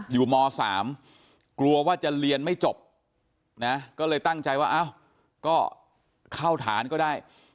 ม๓กลัวว่าจะเรียนไม่จบนะก็เลยตั้งใจว่าอ้าวก็เข้าฐานก็ได้